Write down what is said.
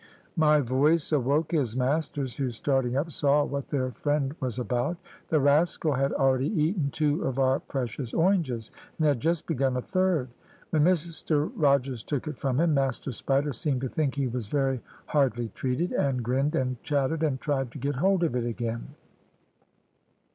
My voice awoke his masters, who starting up, saw what their friend was about. The rascal had already eaten two of our precious oranges, and had just begun a third. When Mr Rogers took it from him, Master Spider seemed to think he was very hardly treated, and grinned, and chattered, and tried to get hold of it again.